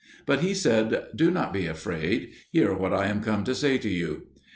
But he said, "Do not be afraid; hear what I am come to say to you."